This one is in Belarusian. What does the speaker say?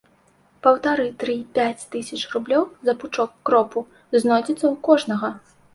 Паўтары-тры-пяць тысяч рублёў за пучок кропу знойдзецца ў кожнага.